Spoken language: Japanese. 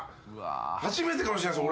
初めてかもしれないです。